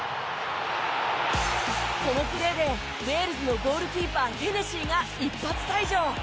このプレーでウェールズのゴールキーパーヘネシーが一発退場。